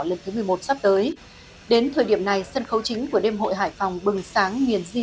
lần thứ một mươi một sắp tới đến thời điểm này sân khấu chính của đêm hội hải phòng bừng sáng nghiền di